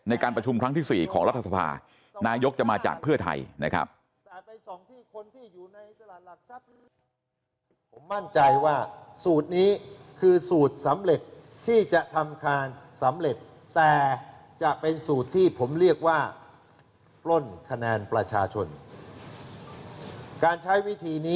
ในการประชุมครั้งที่๔ของรัฐสภานายกจะมาจากเพื่อไทยนะครับ